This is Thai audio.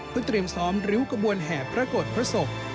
เพื่อเตรียมซ้อมริ้วกระบวนแห่พระโกรธพระศพ